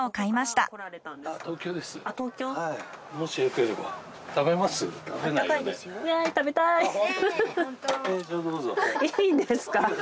いいんですか。